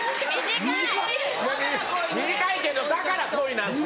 短いけどだから恋なんですよね。